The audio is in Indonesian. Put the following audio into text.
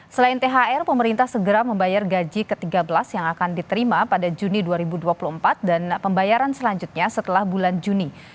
selain thr pemerintah segera membayar gaji ke tiga belas yang akan diterima pada juni dua ribu dua puluh empat dan pembayaran selanjutnya setelah bulan juni